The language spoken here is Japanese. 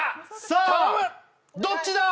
さあどっちだ？